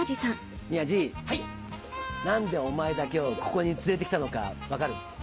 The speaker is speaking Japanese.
何でお前だけをここに連れてきたのか分かる？